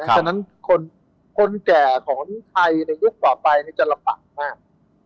ฉะนั้นคนแก่ของไทยในยุคต่อไปจะลำบากมาก